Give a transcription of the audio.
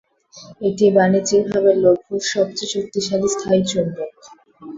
এটি বাণিজ্যিকভাবে লভ্য সবচেয়ে শক্তিশালী স্থায়ী চুম্বক।